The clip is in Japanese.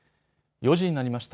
４時になりました。